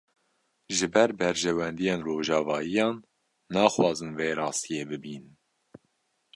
Ji ber berjewendiyên rojavayiyan, naxwazin vê rastiyê bibînin